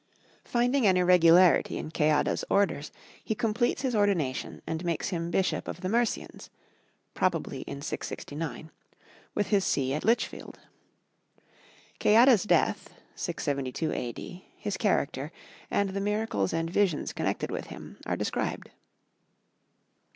Finding an irregularity in Ceadda's orders, he completes his ordination and makes him Bishop of the Mercians (probably in 669), with his see at Lichfield. Ceadda's death (672 A.D.), his character, and the miracles and visions connected with him are described.